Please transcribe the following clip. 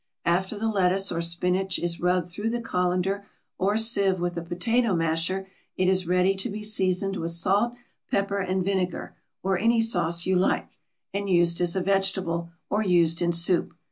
After the lettuce or spinach is rubbed through the colander or sieve with a potato masher it is ready to be seasoned with salt, pepper and vinegar, or any sauce you like, and used as a vegetable, or used in soup.